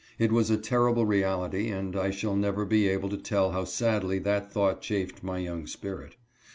It was a terrible reality, and I shall never be able to tell how sadly that thought chafed my young spirit.